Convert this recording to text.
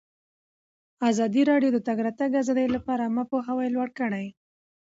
ازادي راډیو د د تګ راتګ ازادي لپاره عامه پوهاوي لوړ کړی.